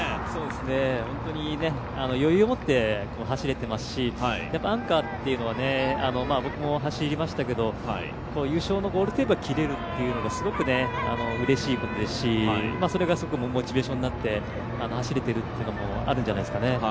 本当に余裕持って走れてますし、アンカーというのは僕も走りましたけど優勝のゴールテープを切れるというのがすごくうれしいですし、それがすごくモチベーションになって走れているというのもあるんじゃないですかね。